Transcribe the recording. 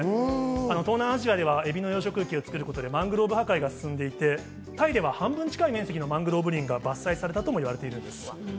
東南アジアではエビの養殖池を作ることでマングローブ破壊が進んでいて、タイでは半分近い面積のマングローブが伐採されたといわれています。